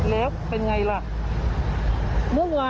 แล้วเป็นอย่างไรล่ะ